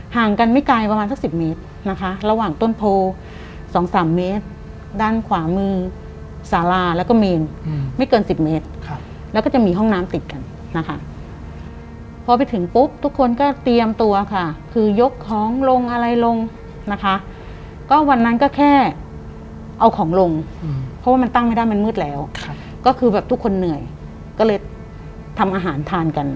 ห่างกันไม่ไกลประมาณสักสิบเมตรนะคะระหว่างต้นโพ๒๓เมตรด้านขวามือสาราแล้วก็เมนไม่เกินสิบเมตรแล้วก็จะมีห้องน้ำติดกันนะคะพอไปถึงปุ๊บทุกคนก็เตรียมตัวค่ะคือยกของลงอะไรลงนะคะก็วันนั้นก็แค่เอาของลงเพราะว่ามันตั้งไม่ได้มันมืดแล้วก็คือแบบทุกคนเหนื่อยก็เลยทำอาหารทานกัน